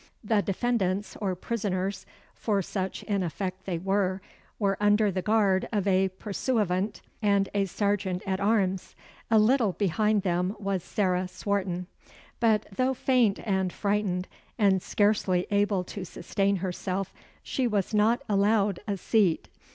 The defendants, or prisoners for such in effect they were were under the guard of a pursuivant and a serjeant at arms. A little behind them was Sarah Swarton; but, though faint and frightened, and scarcely able to sustain herself, she was not allowed a seat.